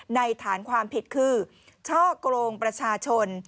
ฐานความผิดคือช่อกงประชาชน